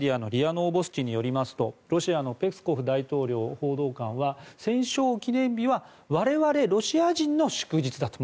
ノーボスチによりますとロシアのペスコフ大統領府報道官は戦勝記念日は我々ロシア人の祝日だと。